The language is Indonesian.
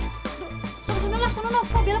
suara suara lah suara suara